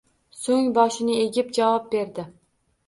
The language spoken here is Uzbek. Soʻng boshini egib javob berdi